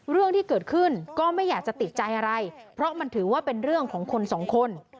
เรื่องที่เกิดขึ้นก็ไม่อยากจะติดใจอะไรเพราะมันถือว่าเป็นเรื่องของคนสองคน